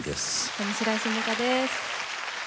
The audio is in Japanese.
上白石萌歌です。